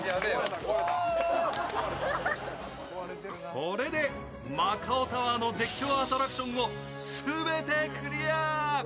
これでマカオタワーの絶叫アトラクションを全てクリア。